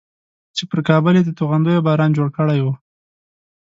چې پر کابل یې د توغندیو باران جوړ کړی و.